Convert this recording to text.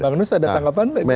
pak nus ada tanggapan